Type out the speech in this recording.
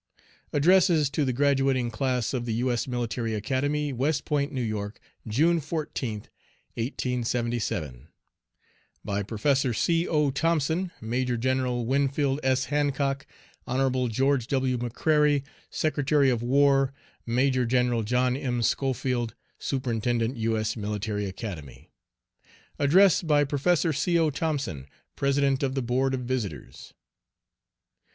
Addresses to the Graduating Class of the U. S. Military Academy, West Point, N. Y., June 14th, 1877. By PROFESSOR C. O. THOMPSON, MAJOR GENERAL WINFIELD S. HANCOCK, HONORABLE GEORGE W. MCCRARY, Secretary of War, MAJOR GENERAL JOHN M. SCHOFIELD, Superintendent U. S. Military Academy. ADDRESS BY PROFESSOR C. O. THOMPSON, President of the Board of Visitors.